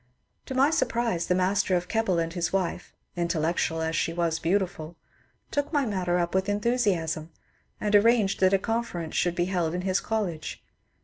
To my surprise the master of Keble and his wife (intellectual as she was beautiful) took my matter up with enthusiasm, and arranged that a conference should be held in his college.